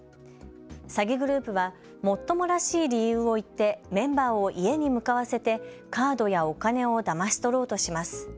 詐欺グループはもっともらしい理由を言ってメンバーを家に向かわせてカードやお金をだまし取ろうとします。